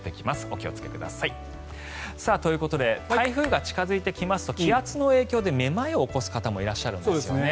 お気をつけください。ということで台風が近付いていきますと気圧の影響でめまいを起こす方もいらっしゃるんですね。